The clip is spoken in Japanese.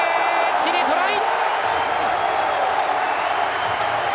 チリ、トライ！